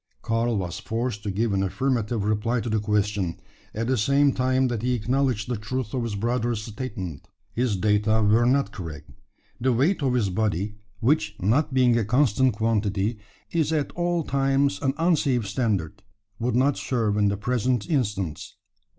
Karl was forced to give an affirmative reply to the question, at the same time that he acknowledged the truth of his brother's statement. His data were not correct. The weight of his body which, not being a constant quantity, is at all times an unsafe standard would not serve in the present instance.